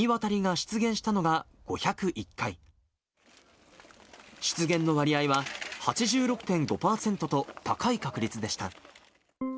出現の割合は８６．５％と高い確率でした。